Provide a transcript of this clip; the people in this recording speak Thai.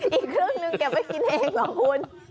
อีกครึ่งนึงแกไปกินเองหรอคุณ